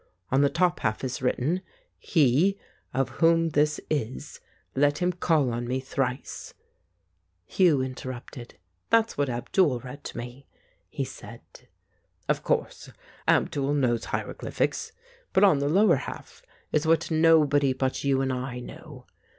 On the top half is written, ' He, of whom this is, let him call on me thrice '" Hugh interrupted. "That's what Abdul read to me," he said. "Of course. Abdul knows hieroglyphics. But on the lower half is what nobody but you and I know.